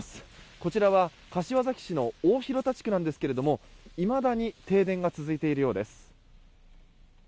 こちらは柏崎市の大広田地区なんですけれどもいまだに停電が続いているようです。